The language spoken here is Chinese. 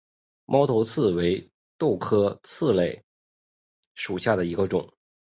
猫头刺为豆科棘豆属下的一个种。